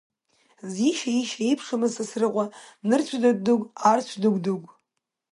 Зишьа ишьа еиԥшымхаз, Сасрыҟәа нырцә дыгә-дыгә, аарцә дыгә-дыгә!